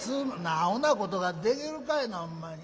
アホなことができるかいなほんまに。